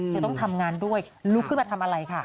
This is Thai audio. ต้องทำงานด้วยลุกขึ้นมาทำอะไรค่ะ